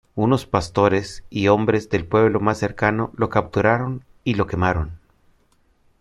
Unos pastores y hombres del pueblo más cercano lo capturaron y lo quemaron.